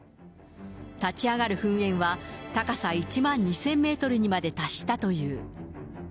立ち上がる噴煙は、高さ１万２０００メートルにまで達したという。